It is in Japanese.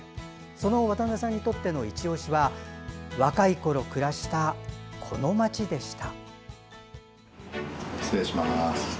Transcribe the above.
その渡辺さんにとってのいちオシは若いころ暮らしたこの街でした。